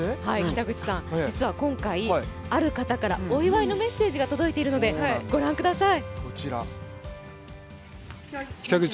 今回ある方からお祝いのメッセージが届いているのでご覧ください。